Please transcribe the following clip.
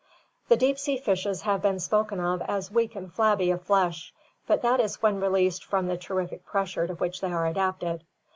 The deep sea fishes have been spoken of as weak and flabby of flesh, but that is when released from the terrific pressure to which they are adapted.